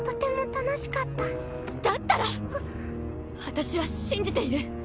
私は信じている。